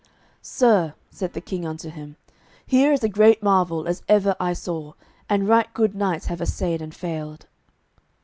"Sir" said the King unto him, "here is a great marvel as ever I saw, and right good knights have assayed and failed."